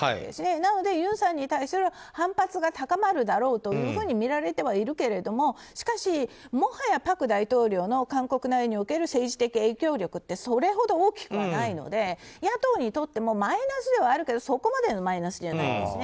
なので、ユンさんに対する反発が高まるだろうというふうにみられてはいるけれどもしかし、もはや朴前大統領の韓国内における政治的影響力はそれほど大きくはないので野党にとってもマイナスではあるけどそこまでのマイナスじゃないんです。